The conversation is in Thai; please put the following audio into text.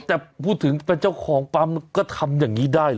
แต่พูดถึงเป็นเจ้าของปั๊มก็ทำอย่างนี้ได้เหรอ